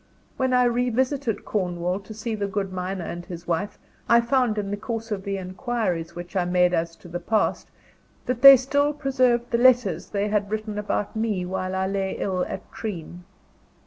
When I revisited Cornwall, to see the good miner and his wife, I found, in the course of the inquiries which I made as to the past, that they still preserved the letters they had written about me, while I lay ill at Treen.